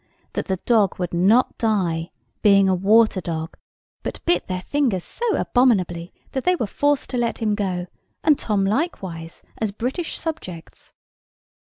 that the dog would not die, being a water dog, but bit their fingers so abominably that they were forced to let him go, and Tom likewise, as British subjects.